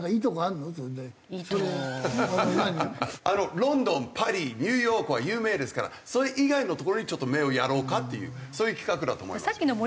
ロンドンパリニューヨークは有名ですからそれ以外の所にちょっと目をやろうかっていうそういう企画だと思いますよ。